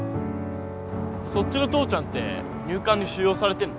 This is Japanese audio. そっちの父ちゃんって入管に収容されてんの？